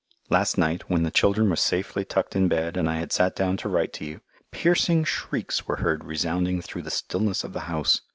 Last night, when the children were safely tucked in bed and I had sat down to write to you, piercing shrieks were heard resounding through the stillness of the house.